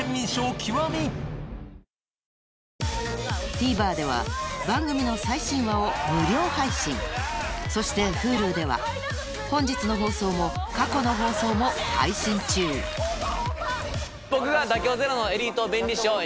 ＴＶｅｒでは番組の最新話を無料配信そしてＨｕｌｕでは本日の放送も過去の放送も配信中僕が。